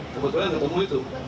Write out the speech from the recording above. kebetulan ketemu itu